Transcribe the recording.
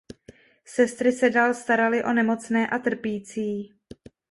Sestry se dál staraly o nemocné a trpící.